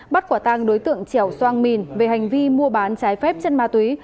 bắt quả tàng đối tượng trẻo soang mìn về hành vi mua bán trái phép chân ma túy